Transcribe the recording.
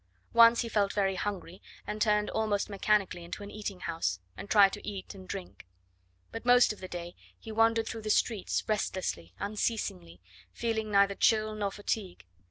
Once he felt very hungry, and turned almost mechanically into an eating house, and tried to eat and drink. But most of the day he wandered through the streets, restlessly, unceasingly, feeling neither chill nor fatigue.